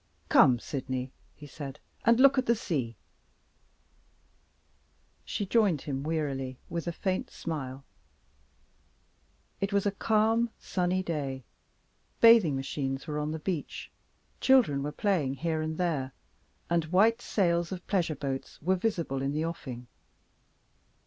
"Come, Sydney," he said, "and look at the sea." She joined him wearily, with a faint smile. It was a calm, sunny day. Bathing machines were on the beach; children were playing here and there; and white sails of pleasure boats were visible in the offing.